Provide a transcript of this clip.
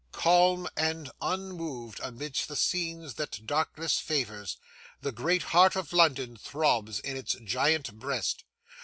Calm and unmoved amidst the scenes that darkness favours, the great heart of London throbs in its Giant breast.